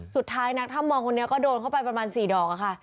นักถ้ำมองคนนี้ก็โดนเข้าไปประมาณ๔ดอกค่ะ